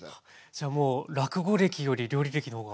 じゃもう落語歴より料理歴の方が。